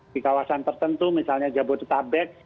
di kawasan tertentu misalnya jabodetabek